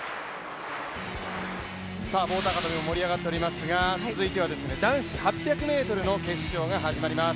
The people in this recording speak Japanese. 棒高跳も盛り上がっておりますが、続いては男子８００ｍの決勝が始まります。